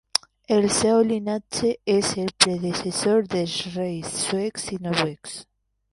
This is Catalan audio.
El seu llinatge és el predecessor dels reis suecs i noruecs.